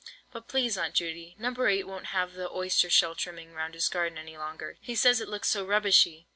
"But please, Aunt Judy, No. 8 won't have the oyster shell trimming round his garden any longer, he says; he says it looks so rubbishy.